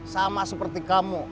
sama seperti kamu